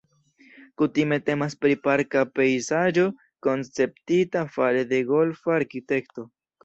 Kutime temas pri parka pejzaĝo konceptita fare de golfa arkitekto.